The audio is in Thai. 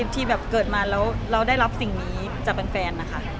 ที่แบบเกิดมาแล้วเราได้รับสิ่งนี้จากแฟนนะคะ